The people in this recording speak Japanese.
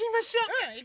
うん！